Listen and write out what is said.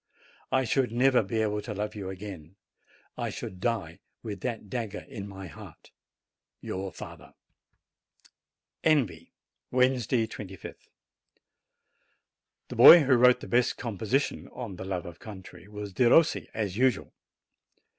I .should never be able to love you again. I should die with that dagger in my heart. YOUR FATHER. i io JANUARY ENVY Wednesday, 25th. The boy who wrote the best composition on ''The Loi'e of Co: was L usual.